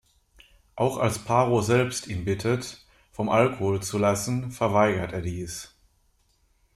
Auch als Paro selbst ihn bittet, vom Alkohol zu lassen, verweigert er dies.